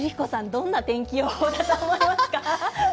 どんな天気予報だと思いますか。